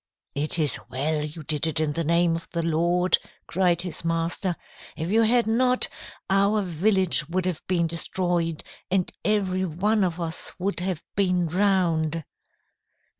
"'It is well you did it in the name of the Lord,' cried his master. 'If you had not, our village would have been destroyed, and every one of us would have been drowned.'"